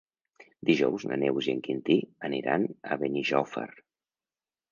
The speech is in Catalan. Dijous na Neus i en Quintí aniran a Benijòfar.